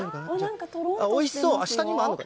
おいしそう、下にもあるんだ。